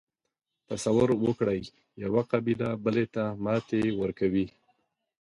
تصور وکړئ یوه قبیله بلې ته ماتې ورکوي.